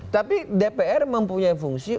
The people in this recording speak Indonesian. tapi dpr mempunyai fungsi